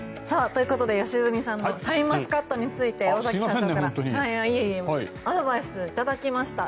ということで良純さんのシャインマスカットについて尾崎さんからアドバイスを頂きました。